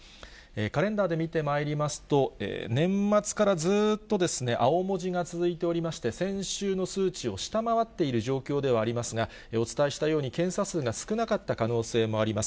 カレンダーで見てまいりますと、年末からずっとですね、青文字が続いておりまして、先週の数値を下回っている状況ではありますが、お伝えしたように、検査数が少なかった可能性もあります。